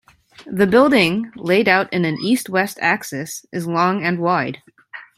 The building, laid out in an east-west axis, is long and wide.